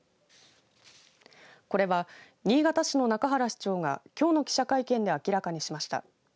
これは新潟市の中原市長がきょうの記者会見で明らかにしました。